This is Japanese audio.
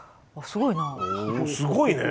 すごいね！